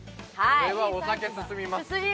これは、お酒進みます。